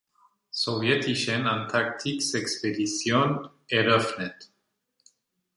Sowjetischen Antarktisexpedition eröffnet.